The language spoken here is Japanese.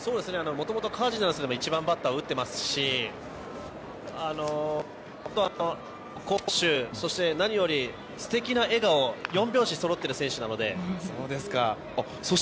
もともとカージナルスでも１番バッターを打ってますし走攻守と何より、素敵な笑顔と４拍子そろっている選手ですし。